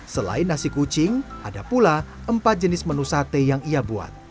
selain nasi kucing ada pula empat jenis menu sate yang ia buat